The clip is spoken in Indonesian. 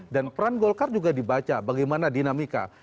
dan peran golkar juga dibaca bagaimana dinamika